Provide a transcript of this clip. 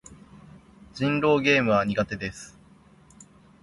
人狼ゲームは苦手です。